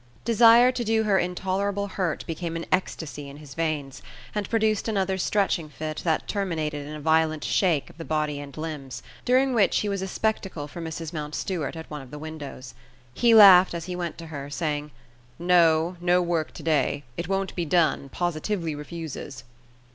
Desire to do her intolerable hurt became an ecstasy in his veins, and produced another stretching fit that terminated in a violent shake of the body and limbs; during which he was a spectacle for Mrs. Mountstuart at one of the windows. He laughed as he went to her, saying: "No, no work to day; it won't be done, positively refuses."